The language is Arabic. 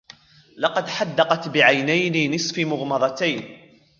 لقد حدَقَت بعينين نصف مُغمضتين.